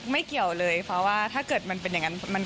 และยังได้มานาน